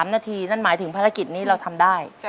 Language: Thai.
๓นาทีนั่นหมายถึงภารกิจนี้เราทำได้